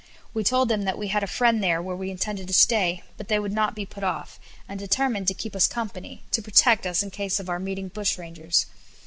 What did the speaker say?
We told them that we had a friend there where we intended to stay; but they would not be put off, and determined to keep us company, to protect us in case of our meeting bushrangers.